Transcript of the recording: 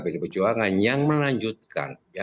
bd perjuangan yang melanjutkan